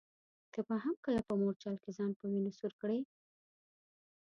ته به هم کله په مورچل کي ځان په وینو سور کړې ؟